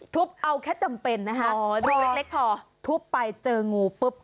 ถุบเอาแค่จำเป็นนะครับถุบไปเจองูปุ๊บ